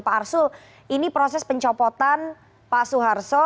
pak arsul ini proses pencopotan pak suharto